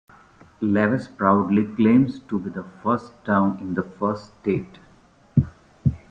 Lewes proudly claims to be The First Town in The First State.